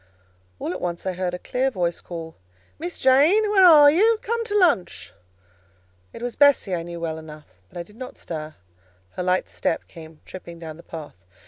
All at once I heard a clear voice call, "Miss Jane! where are you? Come to lunch!" It was Bessie, I knew well enough; but I did not stir; her light step came tripping down the path.